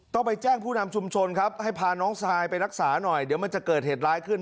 ต้องไปแจ้งผู้นำชุมชนครับให้พาน้องชายไปรักษาหน่อยเดี๋ยวมันจะเกิดเหตุร้ายขึ้น